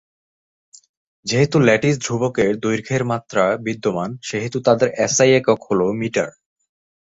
যেহেতু ল্যাটিস ধ্রুবকের দৈর্ঘ্যের মাত্রা বিদ্যমান সেহেতু তাদের এসআই একক হলো মিটার।